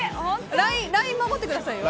ライン守ってくださいよ。